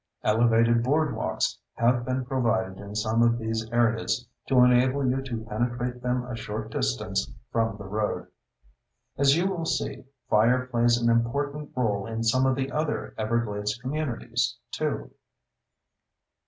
Elevated boardwalks have been provided in some of these areas to enable you to penetrate them a short distance from the road. As you will see, fire plays an important role in some of the other Everglades communities, too.